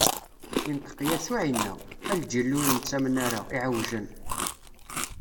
Inṭeq Yasuɛ, inna: A lǧil ur nettamen ara, iɛewjen!